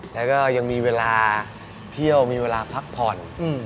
แล้วก็ยังมีเวลาเที่ยวมีเวลาพักผ่อน